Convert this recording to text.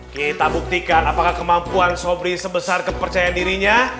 kita buktikan apakah kemampuan sobri sebesar kepercayaan dirinya